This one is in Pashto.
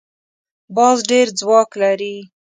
باز ډېر ځواک لري